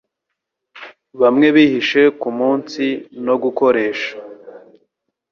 Bamwe bihishe kumunsi no gukoresha